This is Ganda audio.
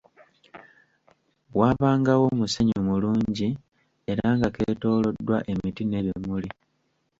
Waabangawo omusenyu mulungi era nga keetooloddwa emiti n'ebimuli.